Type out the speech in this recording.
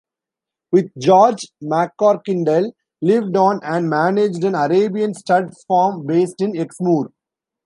With George, MacCorkindale lived on and managed an Arabian stud farm based in Exmoor.